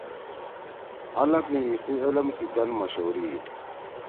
حلب می ایِسی علم سی گن مشہوری ہی۔